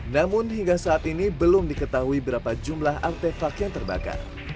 namun hingga saat ini belum diketahui berapa jumlah artefak yang terbakar